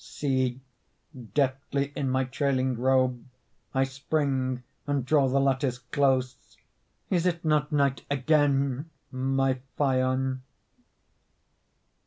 See, deftly in my trailing robe I spring and draw the lattice close; Is it not night again, my Phaon?